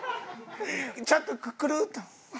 ちょっとくるっと。